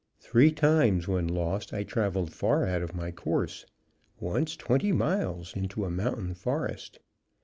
Three times when lost I traveled far out of my course, once twenty miles into a mountain forest.